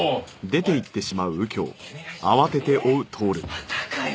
またかよ